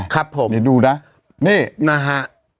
ครับผมเดี๋ยวดูนะนี่นะฮะ